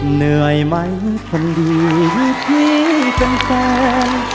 เหนื่อยไหมคนดีที่เป็นแฟน